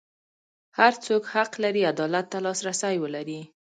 هر څوک حق لري عدالت ته لاسرسی ولري.